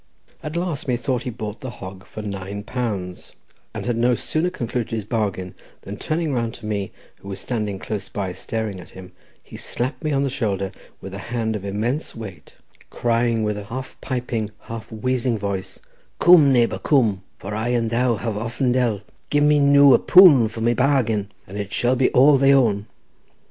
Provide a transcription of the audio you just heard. At last methought he bought the hog for nine pounds, and had no sooner concluded his bargain than, turning round to me, who was standing close by staring at him, he slapped me on the shoulder with a hand of immense weight, crying with a half piping, half wheezing voice, "Coom, neighbour, coom, I and thou have often dealt; gi' me noo a poond for my bargain, and it shall be all thy own."